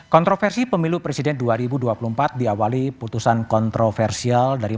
kontroversi pemilu presiden dua ribu dua puluh empat diawali putusan kontroversial dari